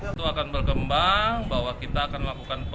itu akan berkembang bahwa kita akan melakukan